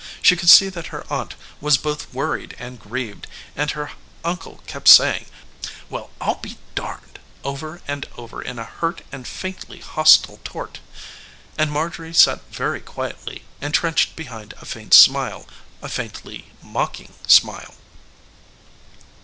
She could see that her aunt was both worried and grieved, and her uncle kept saying, "Well, I'll be darned!" over and over in a hurt and faintly hostile torte. And Marjorie sat very quietly, intrenched behind a faint smile, a faintly mocking smile.